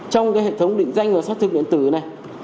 trong cái hệ thống định danh và xác thực điện tử này